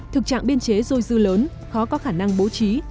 thực trạng biên chế dôi dư lớn khó có khả năng bố trí